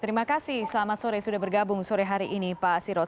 terima kasih selamat sore sudah bergabung sore hari ini pak sirot